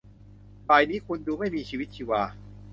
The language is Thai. บ่ายนี้คุณดูไม่มีชีวิตชีวา